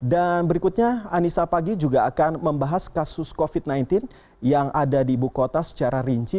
dan berikutnya anissa pagi juga akan membahas kasus covid sembilan belas yang ada di ibu kota secara rinci